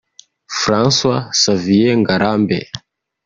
François Xavier Ngarambe